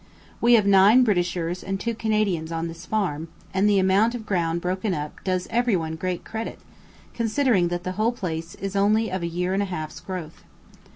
We have nine Britishers and two Canadians on this farm, and the amount of ground broken up does everyone great credit, considering that the whole place is only of a year and a half's growth.